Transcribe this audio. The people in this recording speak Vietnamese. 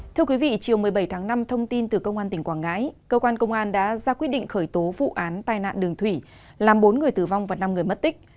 thưa quý vị chiều một mươi bảy tháng năm thông tin từ công an tỉnh quảng ngãi cơ quan công an đã ra quyết định khởi tố vụ án tai nạn đường thủy làm bốn người tử vong và năm người mất tích